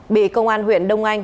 bị công an huyện đông anh